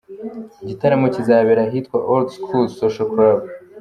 Igitaramo kizabera ahitwa Old School Social Club.